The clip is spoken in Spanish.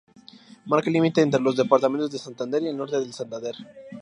Marca el límite entre los departamentos de Santander y el Norte de Santander.